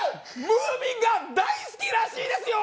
ムーミンが大好きらしいですよ